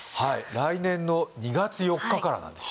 来年の２月４日からなんです